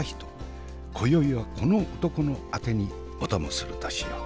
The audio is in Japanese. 今宵はこの男のあてにお供するとしよう。